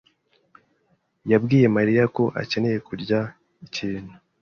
yabwiye Mariya ko akeneye kurya ikintu.